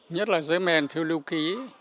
nhất là giấy mèn phiếu lưu ký